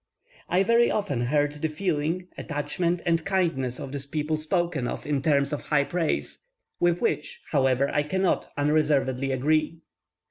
I very often heard the feeling, attachment, and kindness of this people spoken of in terms of high praise, with which, however, I cannot unreservedly agree.